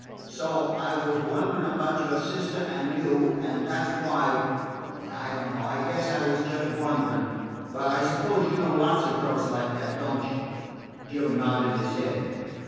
So I was wondering about your sister and you, and that 's why I don't know; I guess I was just wondering. But I suppose you know lots of girls like that, don't you?" Joe nodded his head.